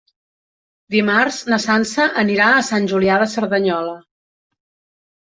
Dimarts na Sança anirà a Sant Julià de Cerdanyola.